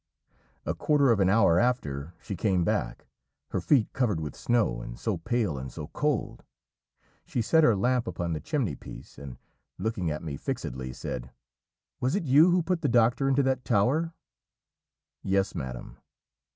A quarter of an hour after she came back, her feet covered with snow, and so pale and so cold! She set her lamp upon the chimney piece, and looking at me fixedly, said 'Was it you who put the doctor into that tower?' 'Yes, madam.'